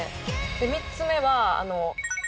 ３つ目は。